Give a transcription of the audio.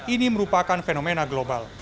ini merupakan fenomena global